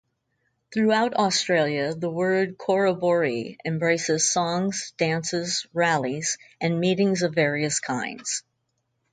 Throughout Australia the word "corroboree" embraces songs, dances, rallies and meetings of various kinds.